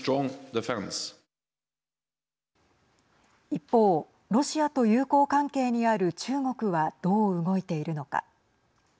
一方ロシアと友好関係にある中国はどう動いているのか。